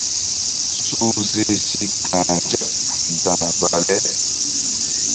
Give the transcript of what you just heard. Suhze si ka̧h nzak daŋa bale.